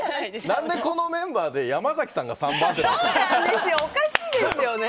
何でこのメンバーで山崎さんがおかしいですよね！